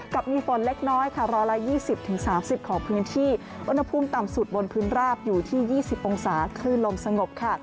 กับมีฝนเล็กน้อยค่ะ๑๒๐๓๐ของพื้นที่อุณหภูมิต่ำสุดบนพื้นราบอยู่ที่๒๐องศาคลื่นลมสงบค่ะ